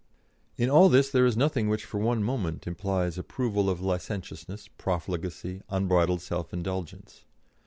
In all this there is nothing which for one moment implies approval of licentiousness, profligacy, unbridled self indulgence.